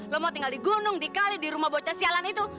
lu mau tinggal di gunung di kali di rumah bocah sialan itu